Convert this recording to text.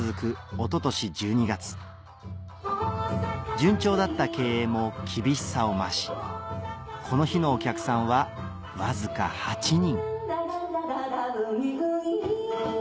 おととし１２月順調だった経営も厳しさを増しこの日のお客さんはわずか８人